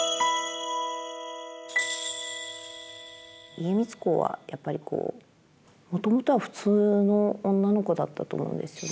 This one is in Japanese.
家光公はやっぱりこうもともとは普通の女の子だったと思うんですよね。